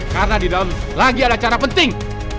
karena di dalam lagi ada cara penting